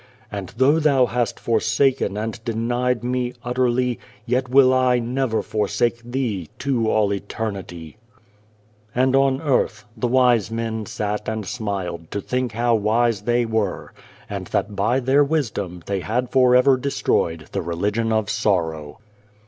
" And though thou hast forsaken and denied Me utterly, yet will I never forsake thee to all eternity !" And on earth the wise men sat and smiled to think how wise they were, and that by their wisdom they had for ever destroyed the Religion of Sorrow.